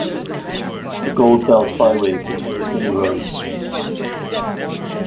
The Gold Belt Byway contains many roads.